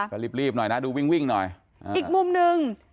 ก็รีบหน่อยนะดูวิ่งวิ่งหน่อยอีกมุมหนึ่ง